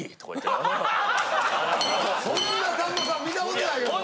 そんなさんまさん見た事ないけどな。